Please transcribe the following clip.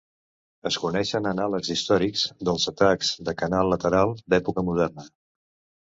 Es coneixen anàlegs històrics dels atacs de canal lateral d'època moderna.